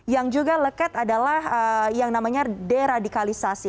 yang juga leket adalah yang namanya deradikalisasi